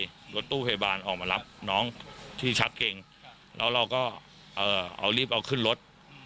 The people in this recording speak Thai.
รถตู้พยาบาลออกมารับน้องที่ชักเกงแล้วเราก็เอ่อเอารีบเอาขึ้นรถ